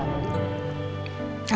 aku juga kangen banget sama mama